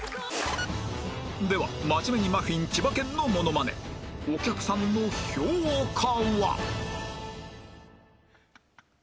ではマジメニマフィンちばけんのモノマネお客さんの評価は？